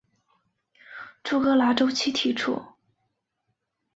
朱格拉周期提出。